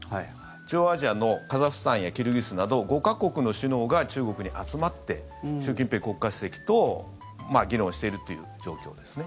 中央アジアのカザフスタンやキルギスなど５か国の首脳が中国に集まって習近平国家主席と議論してるっていう状況ですね。